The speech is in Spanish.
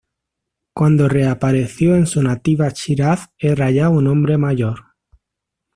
Cuando reapareció en su nativa Shiraz era ya un hombre mayor.